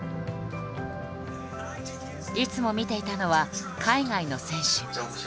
いつも見ていたのは海外の選手。